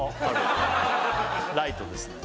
ライトですね